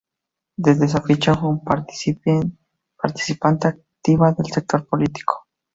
Desde esa fecha fue una participante activa del sector político.